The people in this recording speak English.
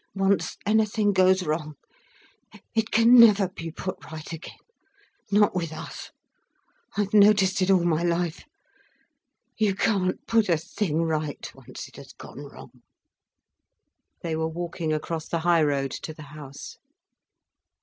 "Once anything goes wrong, it can never be put right again—not with us. I've noticed it all my life—you can't put a thing right, once it has gone wrong." They were walking across the high road to the house.